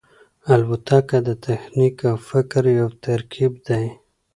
الوتکه د تخنیک او فکر یو ترکیب دی.